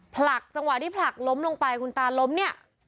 ผลักจังหวะที่ผลักล้มลงไปคุณตาล้มเนี่ย